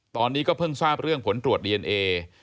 ตอนนี้ก็เพิ่งทราบเรื่องผลตรวจดีเอนเอ